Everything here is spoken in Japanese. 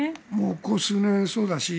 ここ数年そうだし